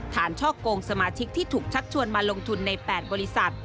ช่อกงสมาชิกที่ถูกชักชวนมาลงทุนใน๘บริษัท